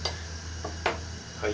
はい。